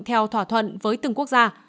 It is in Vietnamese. theo thỏa thuận với từng quốc gia